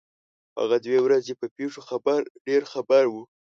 هغه د ورځې په پېښو ډېر خبر وو.